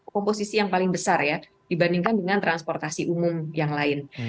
komposisi yang paling besar ya dibandingkan dengan transportasi umum yang lain